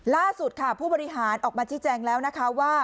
ล่าสุดค่ะผู้บริหารออกมาชี้แจงแล้วนะคะว่า